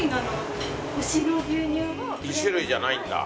１種類じゃないんだ。